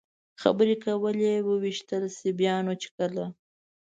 خبرې کولې، ووېشتل شي، بیا نو چې کله.